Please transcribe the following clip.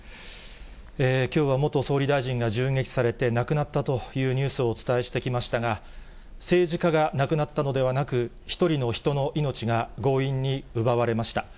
きょうは元総理大臣が銃撃されて亡くなったというニュースをお伝えしてきましたが、政治家が亡くなったのではなく、一人の人の命が強引に奪われました。